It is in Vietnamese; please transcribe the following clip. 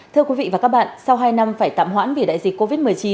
thưa quý vị và các bạn sau hai năm phải tạm hoãn vì đại dịch covid một mươi chín